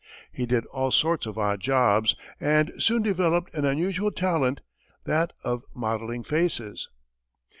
He did all sorts of odd jobs, and soon developed an unusual talent, that of modelling faces.